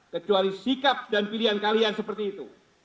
kecuali sikap dan pilihan kalian seperti itu